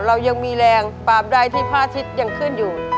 เรายังมีแรงตามใดที่พระอาทิตย์ยังขึ้นอยู่